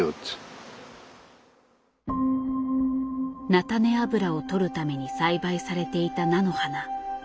菜種油をとるために栽培されていた菜の花。